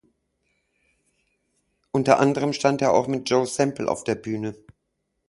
Unter anderem stand er auch mit Joe Sample auf der Bühne.